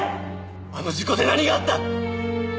あの事故で何があった！？